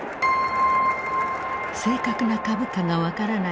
正確な株価が分からない